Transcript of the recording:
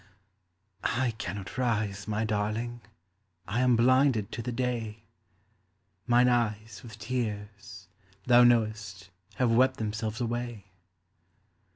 "I cannot rise, my darling, I am blinded to the day. Mine eyes with tears, thou knowest, Have wept themselves away."